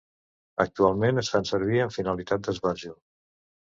Actualment es fan servir amb finalitat d'esbarjo.